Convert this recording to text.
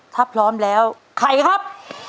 ถ้าพร้อมแล้วไข่ครับ